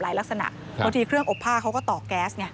หลายลักษณะเพราะที่เครื่องอบผ้าเขาก็ต่อกแก๊ส